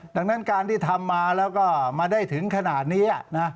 ดังนั้นการที่ทำมาแล้วก็มาได้ถึงขนาดนี้